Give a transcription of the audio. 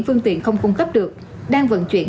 phương tiện không cung cấp được đang vận chuyển